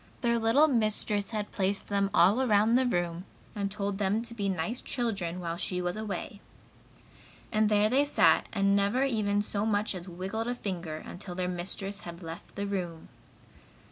Their little mistress had placed them all around the room and told them to be nice children while she was away. And there they sat and never even so much as wiggled a finger, until their mistress had left the room.